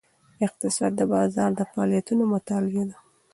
اقتصاد د بازار د فعالیتونو مطالعه ده.